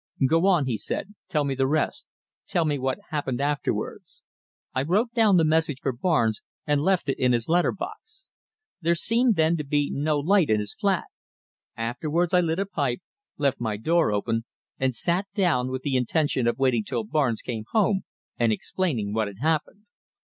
"Go on," he said. "Tell me the rest. Tell me what happened afterwards." "I wrote down the message for Barnes and left it in his letter box. There seemed then to be no light in his flat. Afterwards I lit a pipe, left my door open, and sat down, with the intention of waiting till Barnes came home and explaining what had happened.